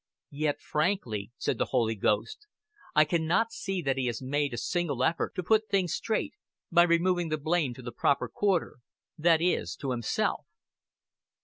"Yet, frankly," said the Holy Ghost, "I can not see that he has made a single effort to put things straight, by removing the blame to the proper quarter that is, to himself."